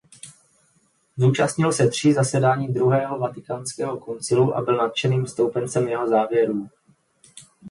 Zúčastnil se tří zasedání Druhého vatikánského koncilu a byl nadšeným stoupencem jeho závěrů.